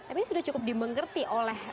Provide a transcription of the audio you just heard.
tapi sudah cukup dimengerti oleh